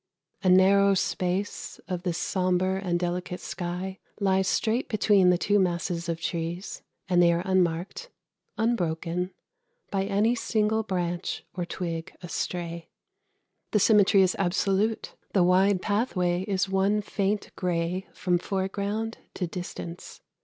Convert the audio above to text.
A narrow space of this sombre and delicate sky lies straight between the two masses of the trees, and they are unmarked, unbroken, by any single branch or twig astray. The symmetry is absolute; the wide pathway is one faint grey from foreground to distance.